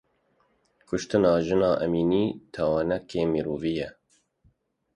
Kuştina Jîna Emînî tawaneke mirovî ye.